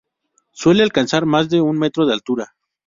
Suele alcanzar más de un metro de altura.